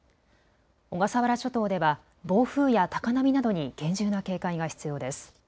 小笠原諸島では暴風や高波などに厳重な警戒が必要です。